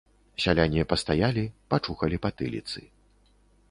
Сяляне пастаялі, пачухалі патыліцы.